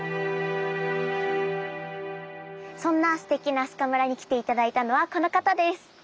そんなすてきな明日香村に来て頂いたのはこの方です！